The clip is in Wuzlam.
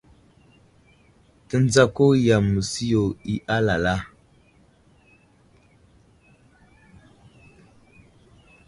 Tendzako yam məsiyo i alala.